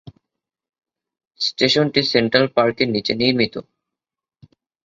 স্টেশনটি সেন্ট্রাল পার্কের নিচে নির্মিত।